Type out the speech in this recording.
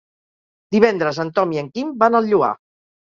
Divendres en Tom i en Quim van al Lloar.